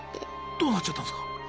どうなっちゃったんすか？